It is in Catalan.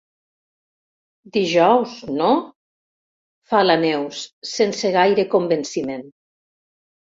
Dijous, no? —fa la Neus, sense gaire convenciment.